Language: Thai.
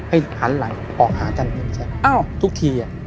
ให้หันหลังออกหากันเห็นใช่ไหมอ้าวทุกทีอ่ะอ่า